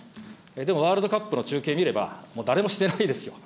でもワールドカップの中継見れば、もう誰もしてないですよ。